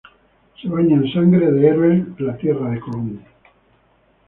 se baña en sangre de héroes la tierra de Colón.